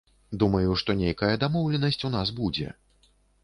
Думаю, што нейкая дамоўленасць у нас будзе.